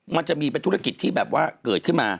มันจะมีเป็นธุรกิจที่แบบว่าเกิดขึ้นมา